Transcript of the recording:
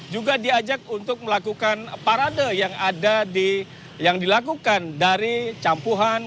juga diajak untuk melakukan parade yang dilakukan dari campuhan